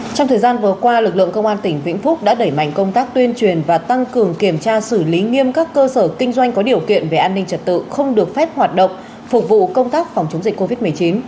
trong thời gian vừa qua lực lượng công an tỉnh vĩnh phúc đã đẩy mạnh công tác tuyên truyền và tăng cường kiểm tra xử lý nghiêm các cơ sở kinh doanh có điều kiện về an ninh trật tự không được phép hoạt động phục vụ công tác phòng chống dịch covid một mươi chín